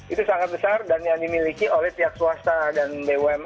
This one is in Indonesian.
itu sangat besar dan yang dimiliki oleh pihak swasta dan bumn